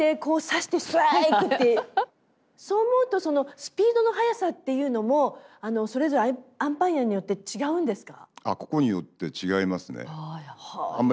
そう思うとスピードの速さっていうのもそれぞれアンパイアによって違うんですか？